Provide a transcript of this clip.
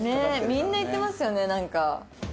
みんな言ってますよねなんか。